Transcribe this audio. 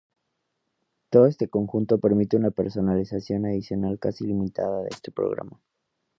Todo este conjunto permite una personalización adicional casi ilimitada de este programa.